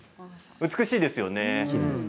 美しいですよね。